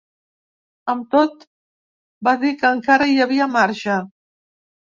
Amb tot, va dir que encara hi havia marge.